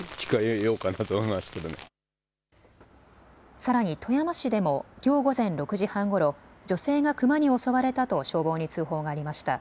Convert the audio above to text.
さらに富山市でもきょう午前６時半ごろ、女性がクマに襲われたと消防に通報がありました。